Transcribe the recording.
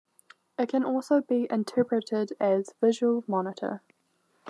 It can also be interpreted as "visual monitor".